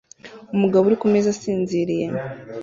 Umugabo uri kumeza asinziriye